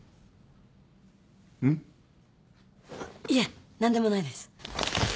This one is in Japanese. あっいえ何でもないです